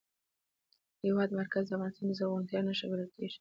د هېواد مرکز د افغانستان د زرغونتیا نښه بلل کېږي.